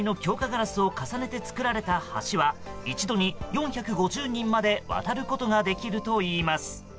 ガラスを重ねて作られた橋は一度に４５０人まで渡ることができるといいます。